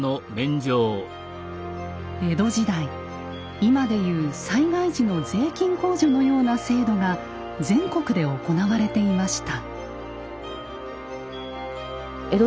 江戸時代今で言う災害時の税金控除のような制度が全国で行われていました。